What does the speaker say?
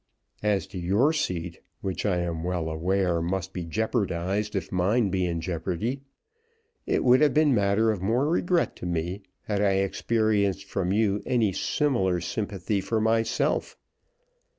"As to your seat, which I am well aware must be jeopardised if mine be in jeopardy, it would have been matter of more regret to me, had I experienced from you any similar sympathy for myself.